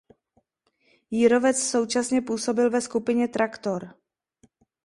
Jírovec současně působil ve skupině Traktor.